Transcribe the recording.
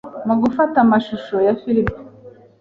mugufata amashusho ya film,